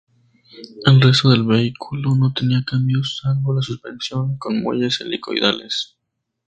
El resto del vehículo no tenía cambios, salvo la suspensión con muelles helicoidales.